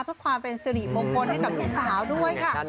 เพื่อความเป็นสิริมงคลให้กับลูกสาวด้วยค่ะ